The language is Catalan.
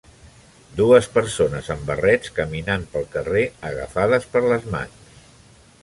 dues persones amb barrets caminant pel carrer agafades per les mans.